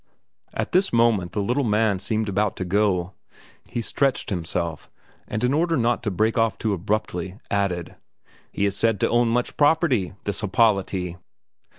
At this moment the little man seemed about to go. He stretched himself, and in order not to break off too abruptly, added: "He is said to own much property, this Happolati?"